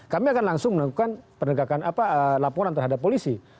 kami akan langsung melakukan penegakan laporan terhadap polisi